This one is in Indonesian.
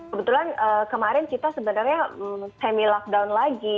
kebetulan kemarin kita sebenarnya semi lockdown lagi